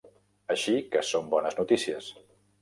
Així que són bones notícies.